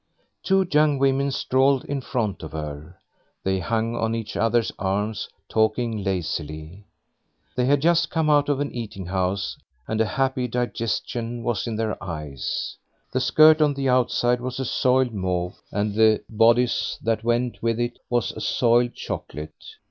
Two young women strolled in front of her. They hung on each other's arms, talking lazily. They had just come out of an eating house, and a happy digestion was in their eyes. The skirt on the outside was a soiled mauve, and the bodice that went with it was a soiled chocolate.